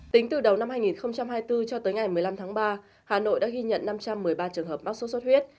tính từ đầu năm hai nghìn hai mươi bốn cho tới ngày một mươi năm tháng ba hà nội đã ghi nhận năm trăm một mươi ba trường hợp mắc sốt xuất huyết